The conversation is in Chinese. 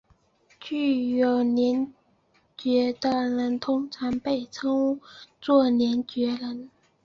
具有联觉的人通常被称作联觉人。